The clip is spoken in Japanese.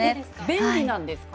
便利なんですか？